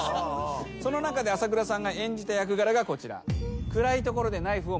その中で朝倉さんが演じた役柄がこちら。